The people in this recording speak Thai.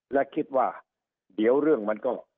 และคิดว่าเดี๋ยวเรื่องมันก็